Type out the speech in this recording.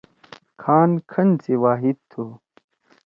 کھان کھن سی واحد تُھو۔